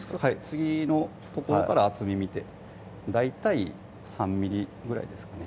次の所から厚み見て大体３ｍｍぐらいですかね